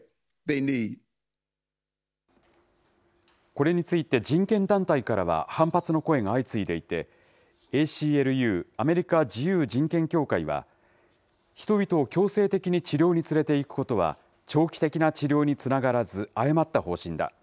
これについて人権団体からは反発の声が相次いでいて、ＡＣＬＵ・アメリカ自由人権協会は、人々を強制的に治療に連れて行くことは、長期的な治療につながらず誤った方針だ。